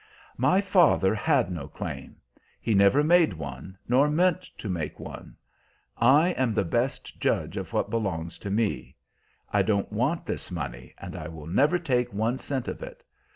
"My father had no claim. He never made one, nor meant to make one. I am the best judge of what belongs to me. I don't want this money, and I will never take one cent of it.